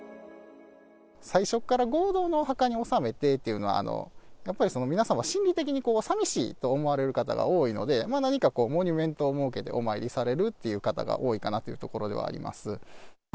最初から合同のお墓に納めてというのは、やっぱり皆様、心理的にさみしいと思われる方が多いので、何かこう、モニュメントを設けてお参りされるという方が多いかなというところではあります。